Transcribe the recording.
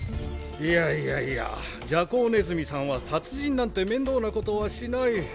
いやいやいやじゃこうねずみさんは殺人なんて面倒なことはしない。